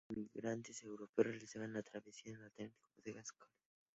Los primeros emigrantes europeos realizaban la travesía del Atlántico en las bodegas de cargueros.